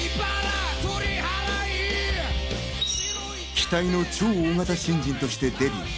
期待の超大型新人としてデビュー。